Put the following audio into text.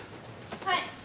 はい。